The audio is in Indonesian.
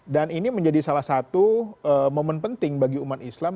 dan ini menjadi salah satu momen penting bagi umat islam